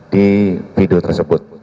di video tersebut